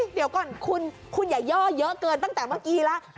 เดี๋ยวก่อนคุณอย่าย่อเยอะเกินตั้งแต่เมื่อกี้แล้ว